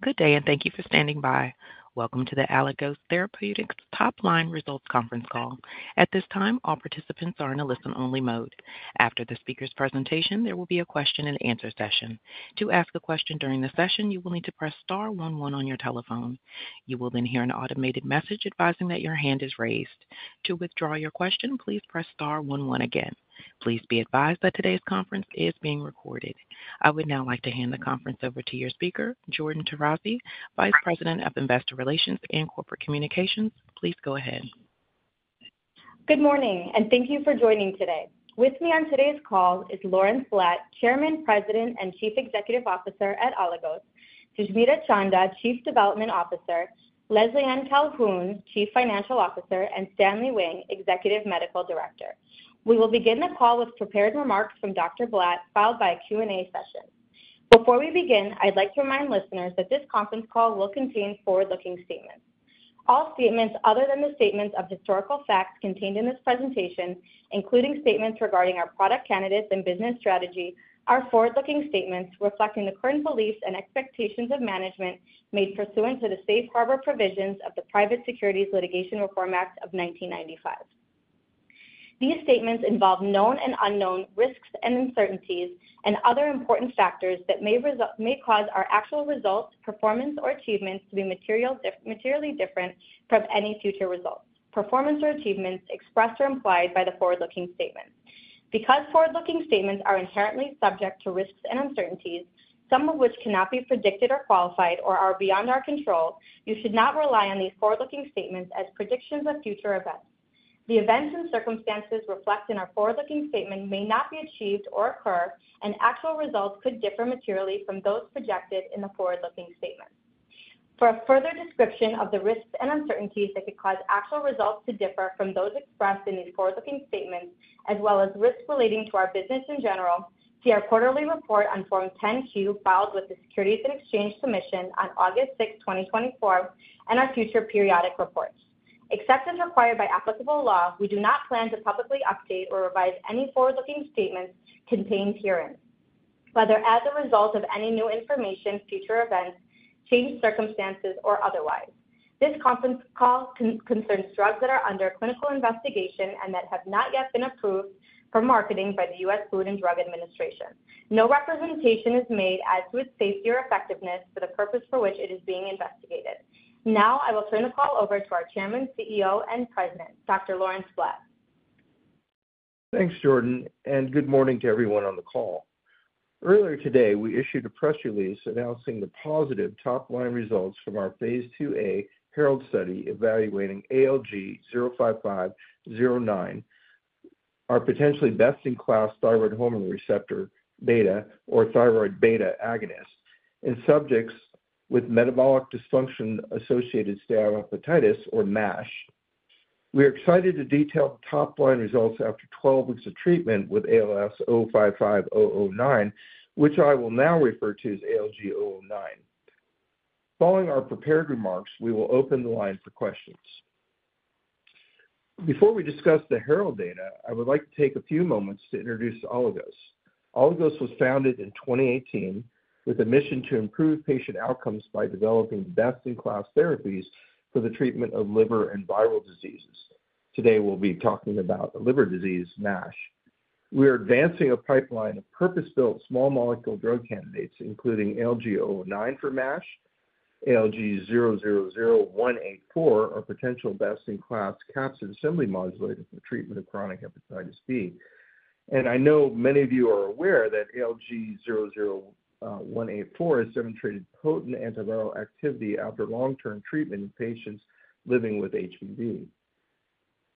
Good day, and thank you for standing by. Welcome to the Aligos Therapeutics Top Line Results Conference Call. At this time, all participants are in a listen-only mode. After the speaker's presentation, there will be a question-and-answer session. To ask a question during the session, you will need to press star one one on your telephone. You will then hear an automated message advising that your hand is raised. To withdraw your question, please press star one one again. Please be advised that today's conference is being recorded. I would now like to hand the conference over to your speaker, Jordyn Tarazi, Vice President of Investor Relations and Corporate Communications. Please go ahead. Good morning, and thank you for joining today. With me on today's call is Lawrence Blatt, Chairman, President, and Chief Executive Officer at Aligos, Sushmita Chanda, Chief Development Officer, Lesley Ann Calhoun, Chief Financial Officer, and Stanley Wang, Executive Medical Director. We will begin the call with prepared remarks from Dr. Blatt, followed by a Q&A session. Before we begin, I'd like to remind listeners that this conference call will contain forward-looking statements. All statements other than the statements of historical facts contained in this presentation, including statements regarding our product candidates and business strategy, are forward-looking statements reflecting the current beliefs and expectations of management made pursuant to the Safe Harbor provisions of the Private Securities Litigation Reform Act of 1995. These statements involve known and unknown risks and uncertainties and other important factors that may cause our actual results, performance, or achievements to be materially different from any future results. Performance or achievements expressed or implied by the forward-looking statements. Because forward-looking statements are inherently subject to risks and uncertainties, some of which cannot be predicted or qualified or are beyond our control, you should not rely on these forward-looking statements as predictions of future events. The events and circumstances reflected in our forward-looking statement may not be achieved or occur, and actual results could differ materially from those projected in the forward-looking statements. For a further description of the risks and uncertainties that could cause actual results to differ from those expressed in these forward-looking statements, as well as risks relating to our business in general, see our quarterly report on Form 10-Q, filed with the Securities and Exchange Commission on August 6th, 2024, and our future periodic reports. Except as required by applicable law, we do not plan to publicly update or revise any forward-looking statements contained herein, whether as a result of any new information, future events, changed circumstances, or otherwise. This conference call concerns drugs that are under clinical investigation and that have not yet been approved for marketing by the U.S. Food and Drug Administration. No representation is made as to its safety or effectiveness for the purpose for which it is being investigated. Now, I will turn the call over to our Chairman, CEO, and President, Dr. Lawrence Blatt. Thanks, Jordyn, and good morning to everyone on the call. Earlier today, we issued a press release announcing the positive top-line results from our phase 2B HERALD study evaluating ALG-055009, our potentially best-in-class thyroid hormone receptor beta agonist, in subjects with metabolic dysfunction-associated steatohepatitis or MASH. We are excited to detail the top-line results after 12 weeks of treatment with ALG-055009, which I will now refer to as ALG-009. Following our prepared remarks, we will open the line for questions. Before we discuss the HERALD data, I would like to take a few moments to introduce Aligos. Aligos was founded in 2018 with a mission to improve patient outcomes by developing best-in-class therapies for the treatment of liver and viral diseases. Today, we'll be talking about the liver disease, MASH. We are advancing a pipeline of purpose-built small molecule drug candidates, including ALG-009 for MASH, ALG-000184, our potential best-in-class capsid assembly modulator for the treatment of chronic hepatitis B, and I know many of you are aware that ALG-000184 has demonstrated potent antiviral activity after long-term treatment in patients living with HBV.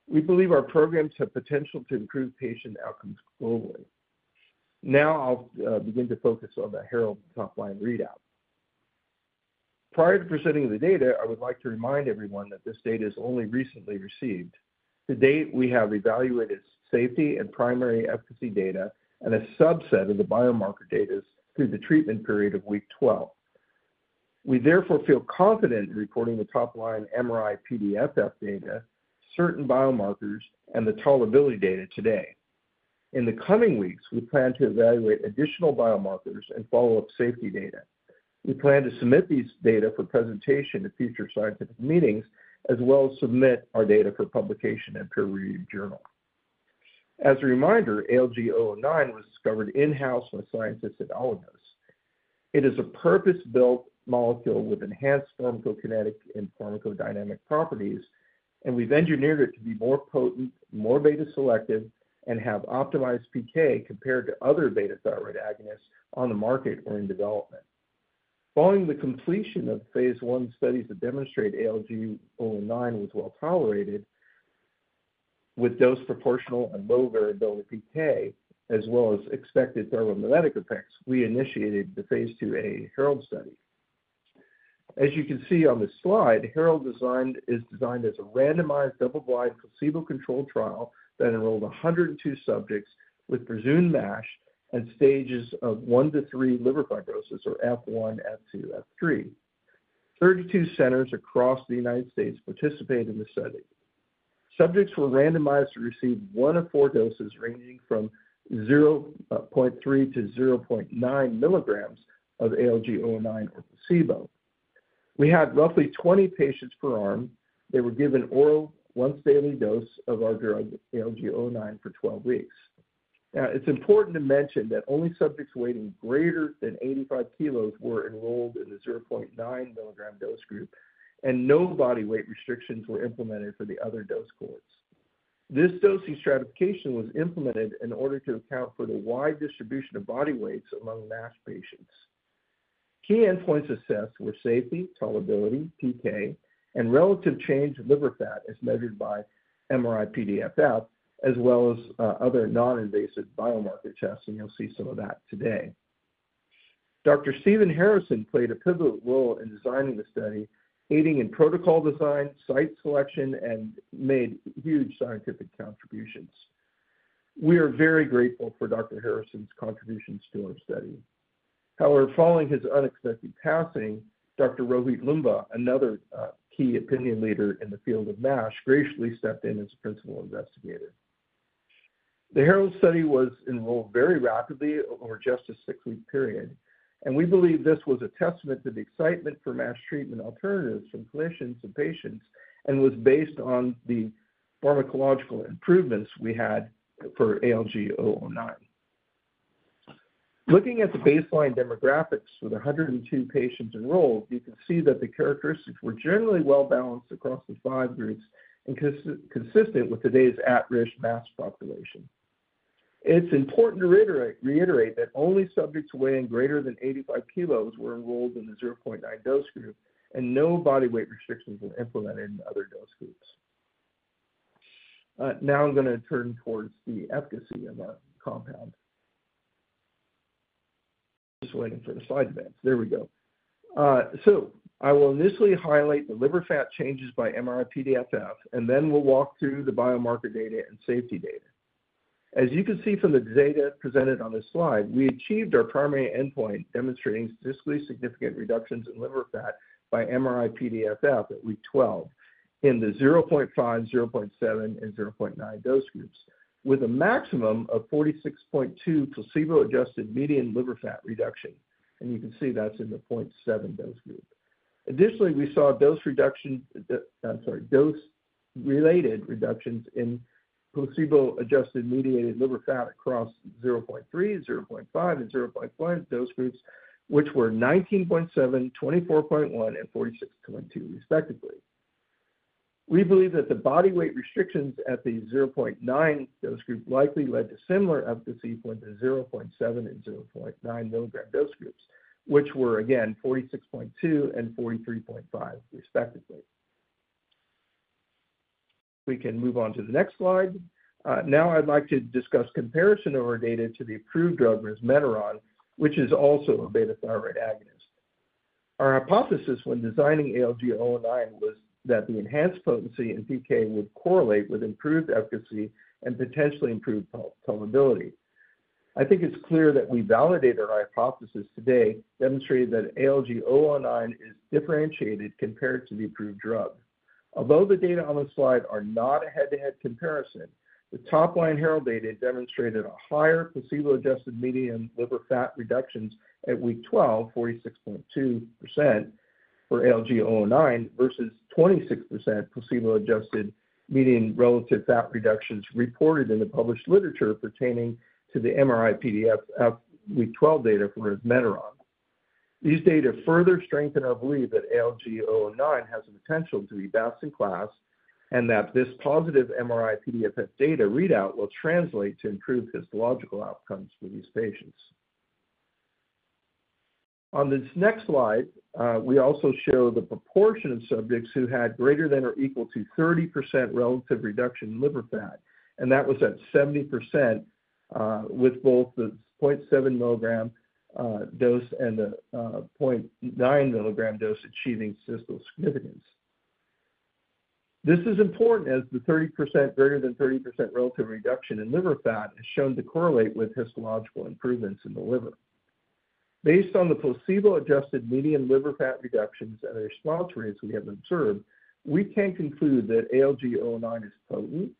We believe our programs have potential to improve patient outcomes globally. Now, I'll begin to focus on the HERALD top-line readout. Prior to presenting the data, I would like to remind everyone that this data is only recently received. To date, we have evaluated safety and primary efficacy data and a subset of the biomarker data through the treatment period of week 12. We therefore feel confident in reporting the top-line MRI-PDFF data, certain biomarkers, and the tolerability data today. In the coming weeks, we plan to evaluate additional biomarkers and follow-up safety data. We plan to submit these data for presentation at future scientific meetings, as well as submit our data for publication in a peer-reviewed journal. As a reminder, ALG-009 was discovered in-house by scientists at Aligos. It is a purpose-built molecule with enhanced pharmacokinetic and pharmacodynamic properties, and we've engineered it to be more potent, more beta selective, and have optimized PK compared to other beta thyroid agonists on the market or in development. Following the completion of Phase 1 studies that demonstrate ALG-009 was well-tolerated with dose proportional and low variability PK, as well as expected thermogenic effects, we initiated the Phase 2A HERALD study. As you can see on the slide, HERALD is designed as a randomized, double-blind, placebo-controlled trial that enrolled 102 subjects with presumed MASH and stages of one to three liver fibrosis, or F1, F2, F3. 32 centers across the United States participated in the study. Subjects were randomized to receive one of four doses, ranging from 0.3 to 0.9 milligrams of ALG-009 or placebo. We had roughly 20 patients per arm. They were given oral once daily dose of our drug, ALG-009, for 12 weeks. Now, it's important to mention that only subjects weighing greater than 85 kilos were enrolled in the 0.9 milligram dose group, and no body weight restrictions were implemented for the other dose cohorts. This dosing stratification was implemented in order to account for the wide distribution of body weights among MASH patients. Key endpoints assessed were safety, tolerability, PK, and relative change in liver fat, as measured by MRI-PDFF, as well as, other non-invasive biomarker tests, and you'll see some of that today. Dr. Stephen Harrison played a pivotal role in designing the study, aiding in protocol design, site selection, and made huge scientific contributions. We are very grateful for Dr. Harrison's contributions to our study. However, following his unexpected passing, Dr. Rohit Loomba, another, key opinion leader in the field of MASH, graciously stepped in as principal investigator. The HERALD study was enrolled very rapidly over just a six-week period, and we believe this was a testament to the excitement for MASH treatment alternatives from clinicians and patients and was based on the pharmacological improvements we had for ALG-009. Looking at the baseline demographics with 102 patients enrolled, you can see that the characteristics were generally well-balanced across the five groups and consistent with today's at-risk MASH population. It's important to iterate, reiterate that only subjects weighing greater than 85 kilos were enrolled in the 0.9 dose group, and no body weight restrictions were implemented in other dose groups. Now I'm gonna turn towards the efficacy of our compound. Just waiting for the slide advance. There we go. So I will initially highlight the liver fat changes by MRI-PDFF, and then we'll walk through the biomarker data and safety data. As you can see from the data presented on this slide, we achieved our primary endpoint, demonstrating statistically significant reductions in liver fat by MRI-PDFF at week 12 in the 0.5, 0.7, and 0.9 dose groups, with a maximum of 46.2% placebo-adjusted median liver fat reduction, and you can see that's in the 0.7 dose group. Additionally, we saw a dose-related reductions in placebo-adjusted median liver fat across 0.3, 0.5, and 0.7 dose groups, which were 19.7%, 24.1%, and 46.2% respectively. I'm sorry. We believe that the body weight reductions at the 0.9 dose group likely led to similar efficacy to 0.7 and 0.9 mg dose groups, which were again 46.2% and 43.5% respectively. We can move on to the next slide. Now I'd like to discuss comparison of our data to the approved drug, resmetirom, which is also a beta thyroid agonist. Our hypothesis when designing ALG-009 was that the enhanced potency in PK would correlate with improved efficacy and potentially improved tolerability. I think it's clear that we validated our hypothesis today, demonstrating that ALG-009 is differentiated compared to the approved drug. Although the data on the slide are not a head-to-head comparison, the top-line HERALD data demonstrated a higher placebo-adjusted median liver fat reductions at week 12, 46.2% for ALG-009, versus 26% placebo-adjusted median relative fat reductions reported in the published literature pertaining to the MRI-PDFF week 12 data for resmetirom. These data further strengthen our belief that ALG-009 has the potential to be best in class, and that this positive MRI-PDFF data readout will translate to improved histological outcomes for these patients. On this next slide, we also show the proportion of subjects who had greater than or equal to 30% relative reduction in liver fat, and that was at 70%, with both the 0.7 milligram dose and the 0.9 milligram dose achieving statistical significance. This is important, as the greater than 30% relative reduction in liver fat is shown to correlate with histological improvements in the liver. Based on the placebo-adjusted median liver fat reductions and the response rates we have observed, we can conclude that ALG-009 is potent,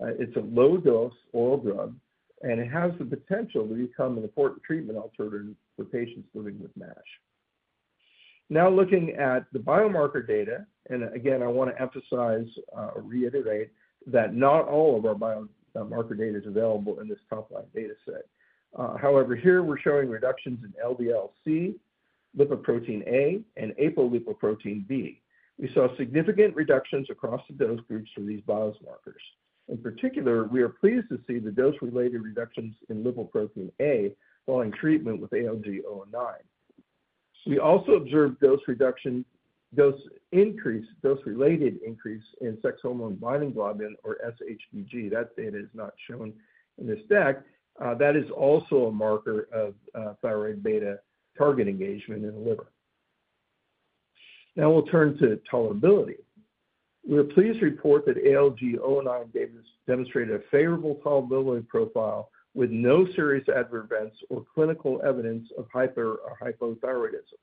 it's a low-dose oral drug, and it has the potential to become an important treatment alternative for patients living with MASH. Now looking at the biomarker data, and again, I want to emphasize or reiterate that not all of our biomarker data is available in this top-line data set. However, here we're showing reductions in LDL-C, lipoprotein(a), and apolipoprotein B. We saw significant reductions across the dose groups for these biomarkers. In particular, we are pleased to see the dose-related reductions in lipoprotein(a) while on treatment with ALG-009. We also observed dose-related increase in sex hormone binding globulin or SHBG. That data is not shown in this deck. That is also a marker of thyroid beta target engagement in the liver. Now we'll turn to tolerability. We are pleased to report that ALG-009 data demonstrated a favorable tolerability profile with no serious adverse events or clinical evidence of hyper- or hypothyroidism.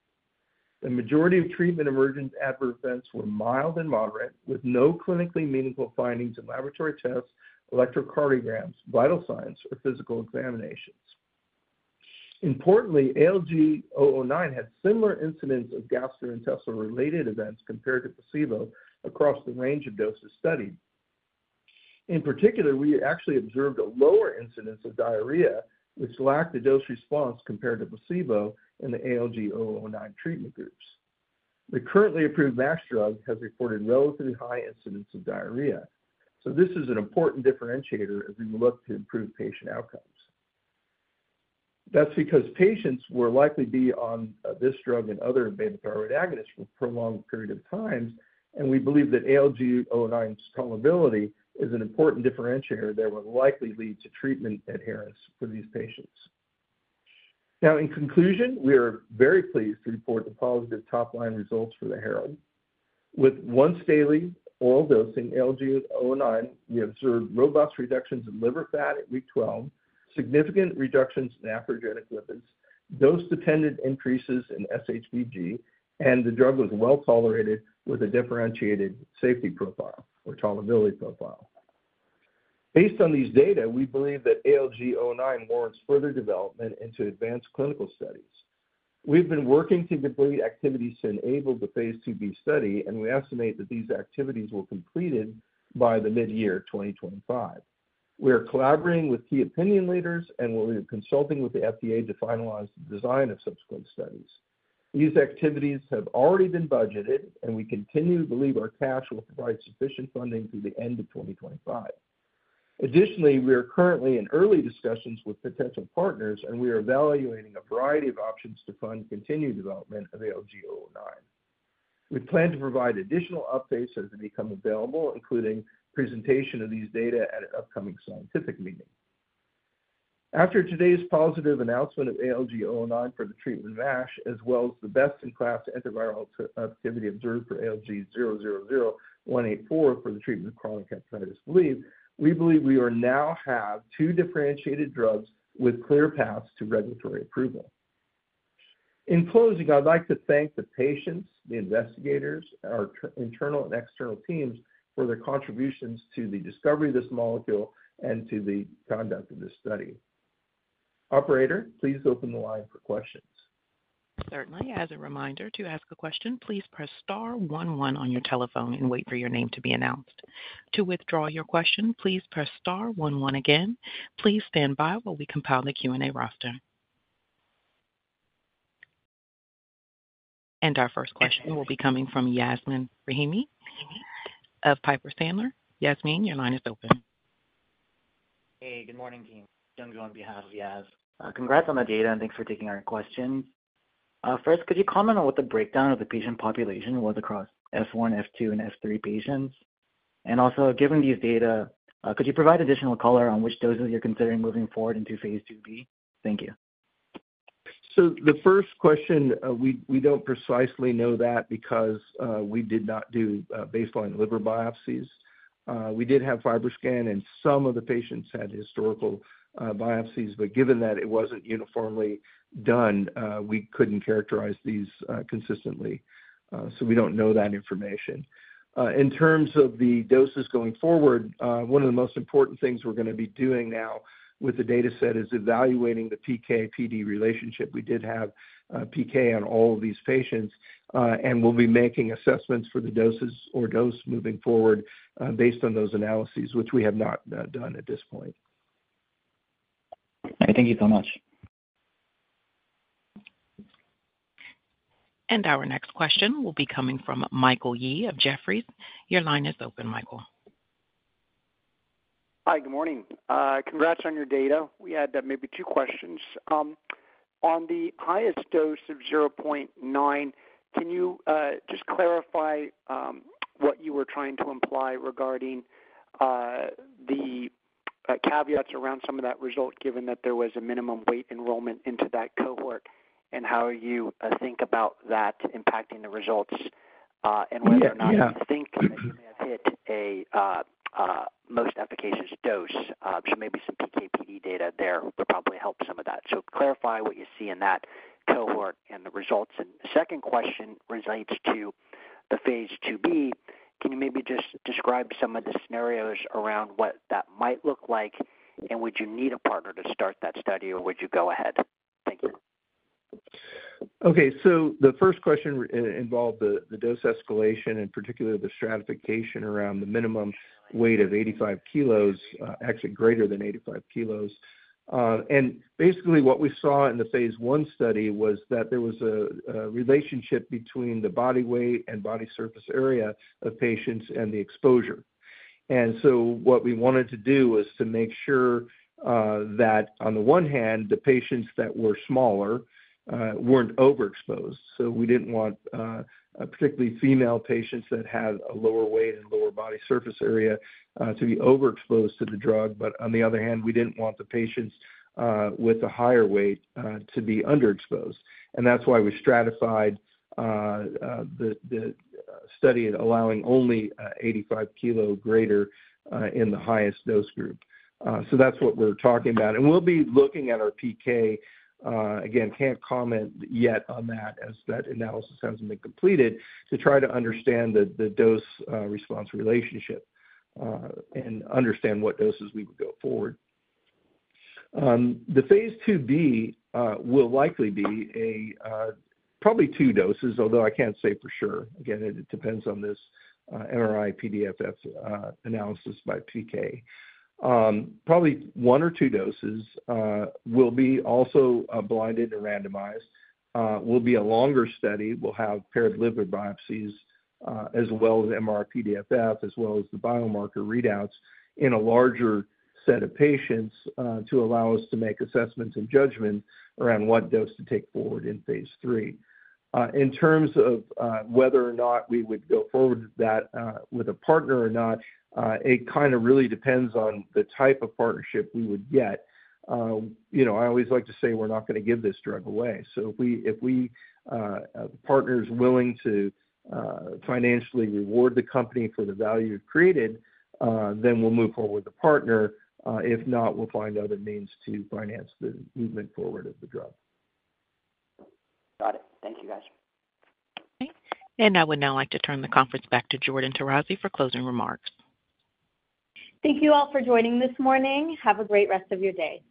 The majority of treatment emergent adverse events were mild and moderate, with no clinically meaningful findings in laboratory tests, electrocardiograms, vital signs or physical examinations. Importantly, ALG-009 had similar incidence of gastrointestinal-related events compared to placebo across the range of doses studied. In particular, we actually observed a lower incidence of diarrhea, which lacked the dose-response compared to placebo in the ALG-009 treatment groups. The currently approved MASH drug has reported relatively high incidence of diarrhea, so this is an important differentiator as we look to improve patient outcomes. That's because patients will likely be on this drug and other beta thyroid agonists for prolonged period of time, and we believe that ALG-009's tolerability is an important differentiator that will likely lead to treatment adherence for these patients. Now, in conclusion, we are very pleased to report the positive top line results for the HERALD. With once daily oral dosing ALG-009, we observed robust reductions in liver fat at week 12, significant reductions in atherogenic lipids, dose-dependent increases in SHBG, and the drug was well tolerated with a differentiated safety profile or tolerability profile. Based on these data, we believe that ALG-009 warrants further development into advanced clinical studies. We've been working to complete activities to enable the Phase 2B study, and we estimate that these activities will be completed by mid-2025. We are collaborating with key opinion leaders, and we're consulting with the FDA to finalize the design of subsequent studies. These activities have already been budgeted, and we continue to believe our cash will provide sufficient funding through the end of 2025. Additionally, we are currently in early discussions with potential partners, and we are evaluating a variety of options to fund continued development of ALG-009. We plan to provide additional updates as they become available, including presentation of these data at an upcoming scientific meeting. After today's positive announcement of ALG-009 for the treatment of MASH, as well as the best in class antiviral activity observed for ALG-000184 for the treatment of chronic hepatitis B, we believe we now have two differentiated drugs with clear paths to regulatory approval. In closing, I'd like to thank the patients, the investigators, our internal and external teams for their contributions to the discovery of this molecule and to the conduct of this study. Operator, please open the line for questions. Certainly. As a reminder, to ask a question, please press star one one on your telephone and wait for your name to be announced. To withdraw your question, please press star one one again. Please stand by while we compile the Q&A roster, and our first question will be coming from Yasmeen Rahimi of Piper Sandler. Yasmeen, your line is open. Hey, good morning, team. Jung on behalf of Yas. Congrats on the data, and thanks for taking our question. First, could you comment on what the breakdown of the patient population was across F1, F2, and F3 patients? And also, given these data, could you provide additional color on which doses you're considering moving forward into Phase 2B? Thank you. So the first question, we don't precisely know that because we did not do baseline liver biopsies. We did have FibroScan, and some of the patients had historical biopsies. But given that it wasn't uniformly done, we couldn't characterize these consistently. So we don't know that information. In terms of the doses going forward, one of the most important things we're gonna be doing now with the data set is evaluating the PK/PD relationship. We did have PK on all of these patients, and we'll be making assessments for the doses or dose moving forward, based on those analyses, which we have not done at this point. Thank you so much. Our next question will be coming from Michael Yee of Jefferies. Your line is open, Michael. Hi, good morning. Congrats on your data. We had maybe two questions. On the highest dose of 0.9, can you just clarify what you were trying to imply regarding the caveats around some of that result, given that there was a minimum weight enrollment into that cohort, and how you think about that impacting the results, and whether- Yeah, yeah or not you think that you may have hit a most efficacious dose. So maybe some PK/PD data there would probably help some of that. So clarify what you see in that cohort and the results. And the second question relates to the Phase 2B. Can you maybe just describe some of the scenarios around what that might look like? And would you need a partner to start that study, or would you go ahead? Thank you. Okay, so the first question involved the dose escalation, and particularly the stratification around the minimum weight of 85 kilos, actually greater than 85 kilos. And basically what we saw in the Phase 1 study was that there was a relationship between the body weight and body surface area of patients and the exposure. And so what we wanted to do was to make sure that on the one hand, the patients that were smaller weren't overexposed. So we didn't want particularly female patients that had a lower weight and lower body surface area to be overexposed to the drug. But on the other hand, we didn't want the patients with a higher weight to be underexposed. And that's why we stratified the study, allowing only 85 kg greater in the highest dose group. So that's what we're talking about. And we'll be looking at our PK. Again, can't comment yet on that, as that analysis hasn't been completed, to try to understand the dose response relationship, and understand what doses we would go forward. The Phase 2B will likely be a probably two doses, although I can't say for sure. Again, it depends on this MRI-PDFF analysis by PK. Probably one or two doses will be also blinded and randomized. It will be a longer study, will have paired liver biopsies as well as MRI-PDFFs, as well as the biomarker readouts in a larger set of patients to allow us to make assessments and judgments around what dose to take forward in Phase III. In terms of whether or not we would go forward with that with a partner or not, it kind of really depends on the type of partnership we would get. You know, I always like to say we're not gonna give this drug away. So if the partner is willing to financially reward the company for the value created, then we'll move forward with the partner. If not, we'll find other means to finance the movement forward of the drug. Got it. Thank you, guys. I would now like to turn the conference back to Jordyn Tarazi for closing remarks. Thank you all for joining this morning. Have a great rest of your day.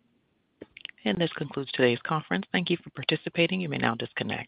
This concludes today's conference. Thank you for participating. You may now disconnect.